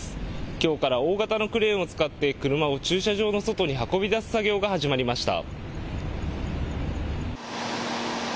きょうから大型のクレーンを使って車を駐車場の外に運び出す作業が始まりました。